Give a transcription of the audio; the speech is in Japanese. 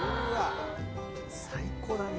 最高だね。